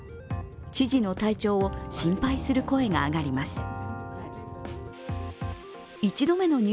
知事の体調を心配する声が上がります。